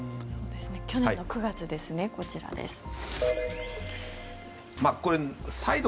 去年の９月ですねこちらです。